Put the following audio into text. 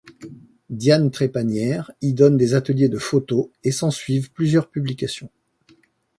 Diane Trépanière y donne des ateliers de photos et s'en suivent plusieurs publications.